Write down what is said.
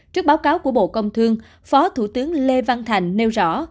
trước báo cáo của bộ công thương phó thủ tướng lê văn thành nêu rõ